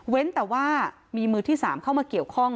แต่ว่ามีมือที่๓เข้ามาเกี่ยวข้อง